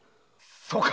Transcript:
そうか！